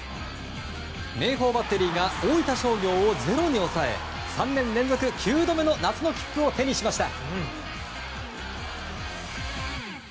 明豊バッテリーが大分商業をゼロに抑え３年連続９度目の夏の切符を手にしました。